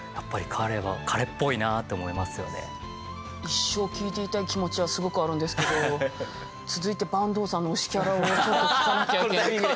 一生聞いていたい気持ちはすごくあるんですけど続いて坂東さんの推しキャラをちょっと聞かなきゃいけなくて。